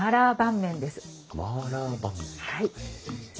はい。